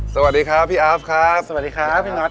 สวัสดีครับพี่อาฟครับสวัสดีครับพี่น็อ